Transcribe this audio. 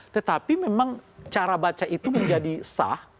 tetapi memang cara baca itu menjadi sah